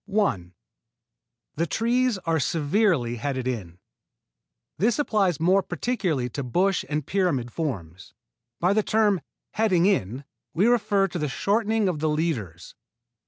1. The trees are severely headed in. This applies more particularly to bush and pyramid forms. By the term "heading in" we refer to the shortening of the leaders.